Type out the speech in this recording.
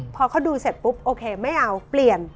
พอเขาดูเสร็จปุ๊บโอเคไม่เอาเปลี่ยน